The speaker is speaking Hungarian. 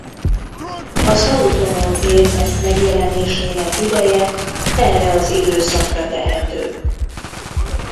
Az autonóm érmek megjelenésének ideje erre az időszakra tehető.